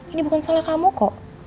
ini bukan salah kamu kok